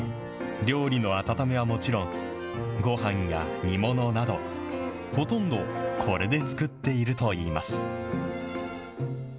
料理の温めはもちろん、ごはんや煮物など、ほとんどこれで作っているといいます。